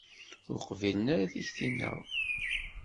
Ur qbilen ara tikti-nneɣ.